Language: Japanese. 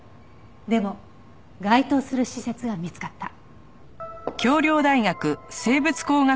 でも該当する施設は見つかった。